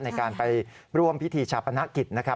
ในการไปร่วมพิธีชาปนกิจนะครับ